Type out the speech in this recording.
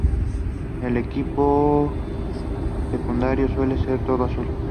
El equipo secundario suele ser todo azul.